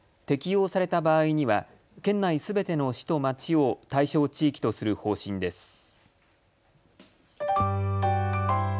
適用された場合には県内すべての市と町を対象地域とする方針です。